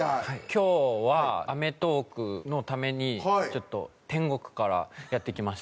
今日は『アメトーーク』のためにちょっと天国からやって来ました。